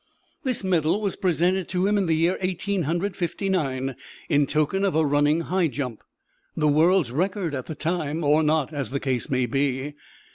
This medal was presented to him in the year Eighteen Hundred Fifty nine, in token of a running high jump the world's record at the time, or not, as the case may be.